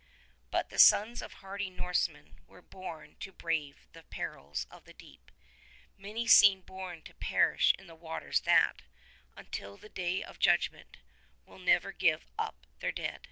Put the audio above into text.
But the sons of hardy Norsemen were born to brave the perils of the deep : many seemed born to perish in the waters that, until the Day of Judgment, will never give up their dead.